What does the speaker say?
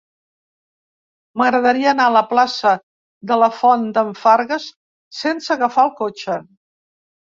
M'agradaria anar a la plaça de la Font d'en Fargues sense agafar el cotxe.